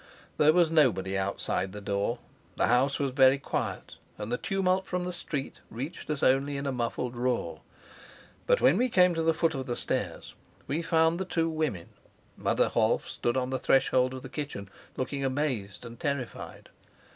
There was nobody outside the door. The house was very quiet, and the tumult from the street reached us only in a muffled roar. But when we came to the foot of the stairs we found the two women. Mother Holf stood on the threshold of the kitchen, looking amazed and terrified.